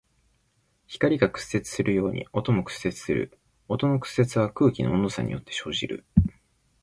光が屈折するように音も屈折する。音の屈折は空気の温度差によって生じる。